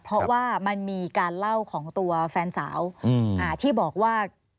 เพราะว่ามันมีการเล่าของตัวแฟนสาวที่บอกว่า